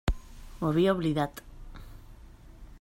Ho havia oblidat.